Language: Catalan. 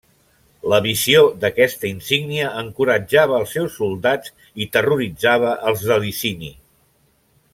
La visió d'aquesta insígnia encoratjava els seus soldats i terroritzava els de Licini.